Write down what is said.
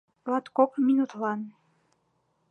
Латкок минутлан.